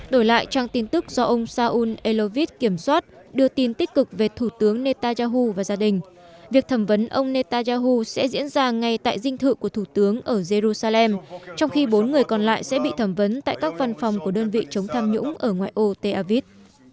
đổi lại trang tin tức do ông salun elovid kiểm soát đưa tin tích cực về thủ tướng netanyahu và gia đình việc thẩm vấn ông netanyahu sẽ diễn ra ngay tại dinh thự của thủ tướng ở jerusalem trong khi bốn người còn lại sẽ bị thẩm vấn tại các văn phòng của đơn vị chống tham nhũng ở ngoại ô té aviv